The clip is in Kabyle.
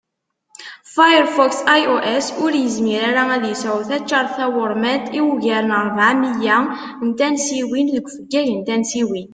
Firefox iOS ur yizmir ara ad yesεu taččart tawurmant i ugar n rbeɛ miyya n tansiwin deg ufeggag n tansiwin